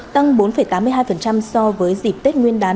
tăng bốn tám mươi hai so với dịp tết nguyên đán